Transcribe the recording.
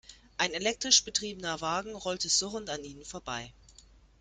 Ein elektrisch betriebener Wagen rollte surrend an ihnen vorbei.